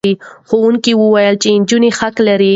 ښوونکي وویل چې نجونې حق لري.